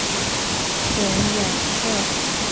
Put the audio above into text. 犬养孝。